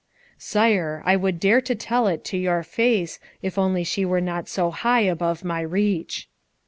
"Sire, I would dare to tell it to your face, if only she were not so high above my reach."